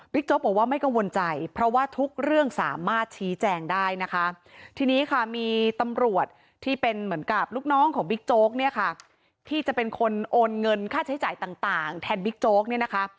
โจ๊กบอกว่าไม่กังวลใจเพราะว่าทุกเรื่องสามารถชี้แจงได้นะคะทีนี้ค่ะมีตำรวจที่เป็นเหมือนกับลูกน้องของบิ๊กโจ๊กเนี่ยค่ะที่จะเป็นคนโอนเงินค่าใช้จ่ายต่างแทนบิ๊กโจ๊กเนี่ยนะคะ